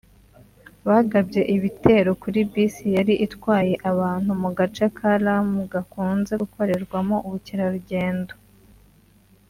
bagabye igitero kuri bisi yari itwaye abantu mu gace ka Lamu gakunze gukorerwamo ubukerarugendo